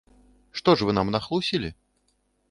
Што ж вы нам нахлусілі?